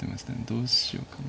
どうしようかな。